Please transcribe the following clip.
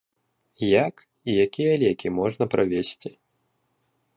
Як і якія лекі можна правезці?